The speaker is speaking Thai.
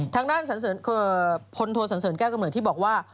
ทั้งด้านสรรเสริญคือพลโทรสรรเสริญแก้วกำเนินที่บอกว่า